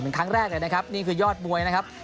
เป็นครั้งแรกเลยนะครับนี่คือยอดมวยนะครับ